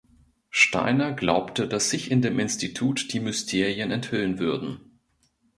Steiner glaubte, dass sich in dem Institut die Mysterien enthüllen würden.